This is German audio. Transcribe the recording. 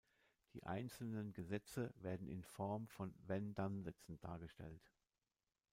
Die einzelnen Gesetze werden in Form von wenn-dann-Sätzen dargestellt.